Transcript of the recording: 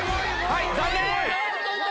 はい残念！